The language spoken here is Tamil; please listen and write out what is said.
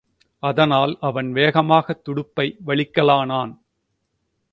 அதனால், அவன் வேகமாகத் துடுப்பை வலிக்கலானான்.